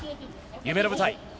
夢の舞台。